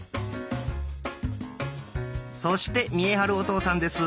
そして見栄晴お父さんです。